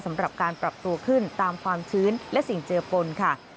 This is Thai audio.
สำหรับการปรับตัวขึ้นตามความชื้นและสิ่งเจือปนค่ะ